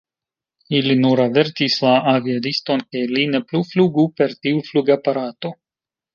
Ili nur avertis la aviadiston, ke li ne plu flugu per tiu flugaparato.